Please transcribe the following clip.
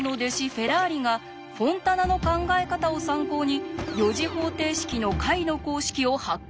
フェラーリがフォンタナの考え方を参考に４次方程式の解の公式を発見。